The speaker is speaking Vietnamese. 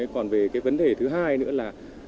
còn về cái vấn đề thứ hai nữa là